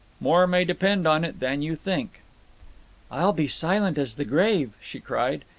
More may depend on it than you think." "I'll be silent as the grave," she cried.